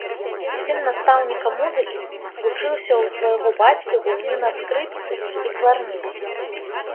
Сын настаўніка музыкі, вучыўся ў свайго бацькі гульні на скрыпцы і кларнеце.